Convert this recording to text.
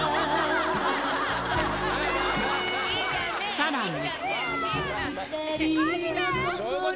さらに。